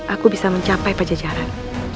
aku bisa mencapai pada jajaran